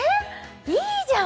いいじゃん！